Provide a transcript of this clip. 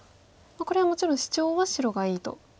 これはもちろんシチョウは白がいいと。